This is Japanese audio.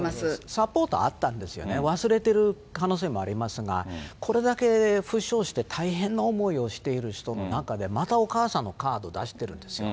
サポートはあったんですよね、忘れてる可能性もありますが、これだけ負傷して大変な思いをしている人の中で、またお母さんのカード出してるんですよ。